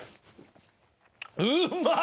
うまい！